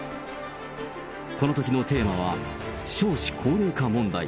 このときのテーマは、少子高齢化問題。